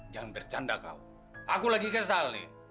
jangan bercanda kau aku lagi kesal nih